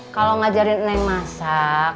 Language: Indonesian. kalau ngajarin neng masak